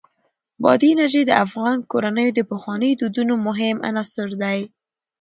بادي انرژي د افغان کورنیو د پخوانیو دودونو مهم عنصر دی.